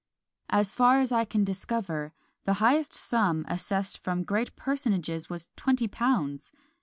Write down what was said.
As far as I can discover, the highest sum assessed from great personages was twenty pounds!